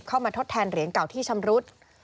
เข้ามาทดแทนเหรียญเก่าที่ชำรุษ